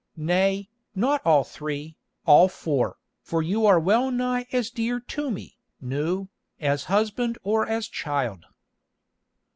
Nay, not all three, all four, for you are well nigh as dear to me, Nou, as husband or as child."